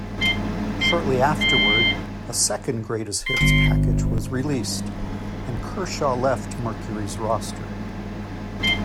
Shortly afterward, a second greatest hits package was released, and Kershaw left Mercury's roster.